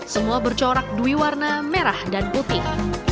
semua bercorak dwi warna merah dan putih